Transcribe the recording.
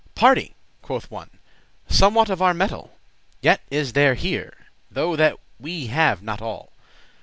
* *time "Pardie," quoth one, "somewhat of our metal Yet is there here, though that we have not all.